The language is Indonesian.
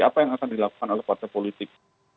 apa yang akan dilakukan oleh partai politik